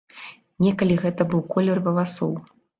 Некалі гэта быў колер валасоў.